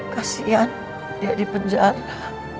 kasian dia di penjara